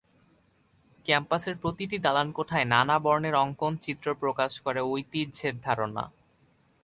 ক্যাম্পাসের প্রতিটি দালানকোঠায় নানা বর্ণের অঙ্কন চিত্র প্রকাশ করে ঐতিহ্যের ধারণা।